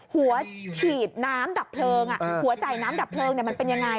หัวฉีดน้ำดับเพลิงหัวจ่ายน้ำดับเพลิงมันเป็นยังไง